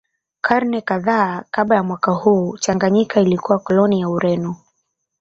Karne kadhaa kabla ya mwaka huu Tanganyika ilikuwa koloni ya Ureno